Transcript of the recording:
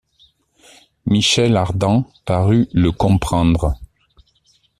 Michel Ardan parut le comprendre.